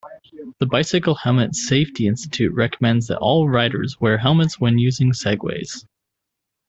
The Bicycle Helmet Safety Institute recommends that all riders wear helmets when using Segways.